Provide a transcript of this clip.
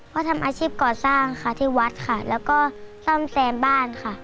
ก็ทำอาชีพก่อสร้างค่ะที่วัดค่ะแล้วก็ซ่อมแซมบ้านค่ะ